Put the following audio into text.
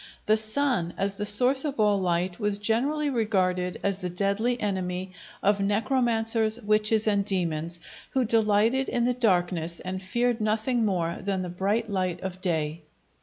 The sun, as the source of all light, was generally regarded as the deadly enemy of necromancers, witches, and demons, who delighted in the darkness and feared nothing more than the bright light of day.